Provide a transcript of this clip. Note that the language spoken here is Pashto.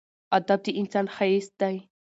ادب د انسان ښایست دی.